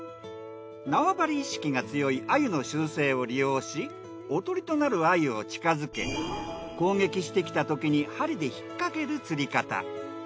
縄張り意識が強い鮎の習性を利用しおとりとなる鮎を近づけ攻撃してきたときに針で引っ掛ける釣り方。